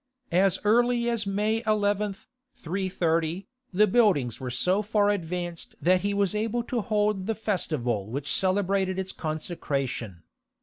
As early as May 11, 330, the buildings were so far advanced that he was able to hold the festival which celebrated its consecration.